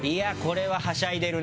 「はしゃいでる」。